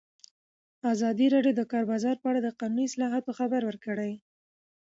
ازادي راډیو د د کار بازار په اړه د قانوني اصلاحاتو خبر ورکړی.